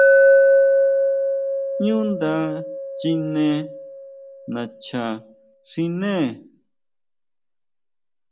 ʼÑú nda chine nacha xiné.